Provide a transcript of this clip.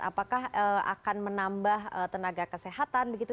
apakah akan menambah tenaga kesehatan begitu